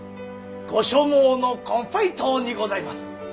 ご所望のコンフェイトにございます！